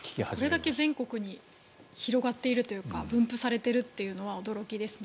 これだけ全国に広がっているというか分布されているというのは驚きですね。